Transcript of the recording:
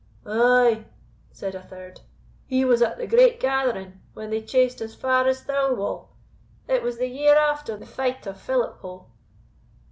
"Ay," said a third, "he was at the great gathering, when they chased as far as Thirlwall; it was the year after the fight of Philiphaugh."